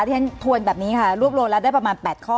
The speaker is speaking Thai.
ที่ฉันทวนแบบนี้ค่ะรวบรวมแล้วได้ประมาณ๘ข้อ